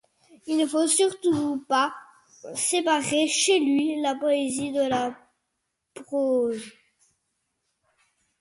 Il ne faut surtout pas séparer chez lui la poésie de la prose.